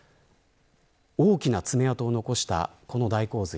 大きな爪痕を残したこの大洪水。